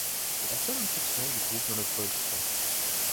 C'est la seule incursion du groupe dans le folk rock.